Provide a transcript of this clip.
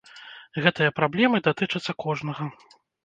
Гэтыя праблемы датычацца кожнага.